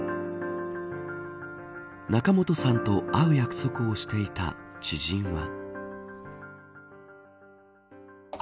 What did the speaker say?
仲本さんと会う約束をしていた知人は。